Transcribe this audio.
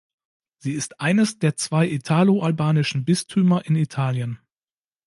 Sie ist eines der zwei italo-albanischen Bistümer in Italien.